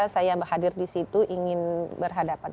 saya hadir disitu ingin berhadapan